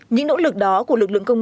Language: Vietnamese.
những nỗ lực đó của lực lượng công an